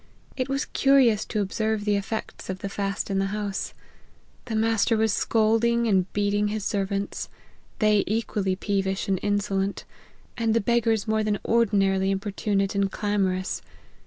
It was curious to observe the effects of the fast in the house. The master was scolding and beating his servants ; they equally peevish and insolent ; and the beggars more than ordinarily importunate and clamorous.